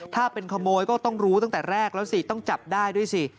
ถ้าเป็นขโมยก็ต้องรู้ตั้งแต่แรกแล้วสิต้องจับได้ด้วยสิ